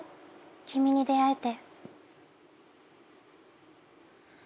『君に出逢えて』。